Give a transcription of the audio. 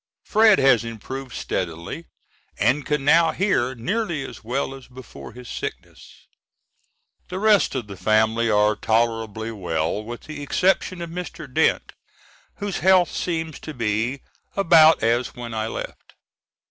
Fred, has improved steadily, and can now hear nearly as well as before his sickness. The rest of the family are tolerably well, with the exception of Mr. Dent whose health seems to be about as when I left.